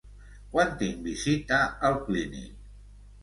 Quan tinc visita al clínic?